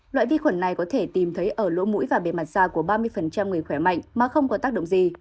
loại vi khuẩn này có thể tìm thấy ở lỗ mũi và bề mặt da của ba mươi người khỏe mạnh mà không có tác động gì